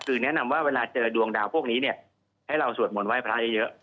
คือแนะนำว่าเวลาเจอดวงดาวพวกนี้เนี่ยให้เราสวดมนต์ไห้พระเยอะ